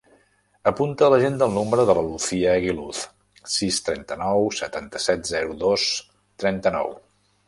Apunta a l'agenda el número de la Lucía Eguiluz: sis, trenta-nou, setanta-set, zero, dos, trenta-nou.